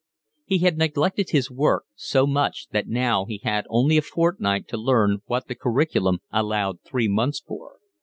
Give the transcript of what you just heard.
He had neglected his work so much that now he had only a fortnight to learn what the curriculum allowed three months for.